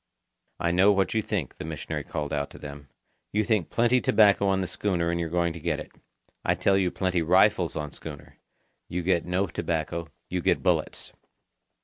"I know what you think," the missionary called out to them. "You think plenty tobacco on the schooner and you're going to get it. I tell you plenty rifles on schooner. You no get tobacco, you get bullets."